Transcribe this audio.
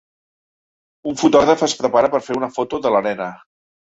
Un fotògraf es prepara per fer una foto de la nena.